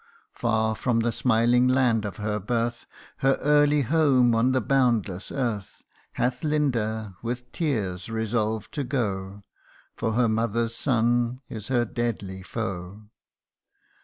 Far from the smiling land of her birth, Her early home on the boundless earth, Hath Linda, with tears, resolved to go, For her mother's son is her deadly foe.